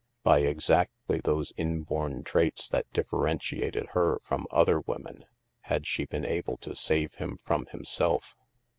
By exactly those inborn traits that differentiated her from other women, had she been able to save him from himself.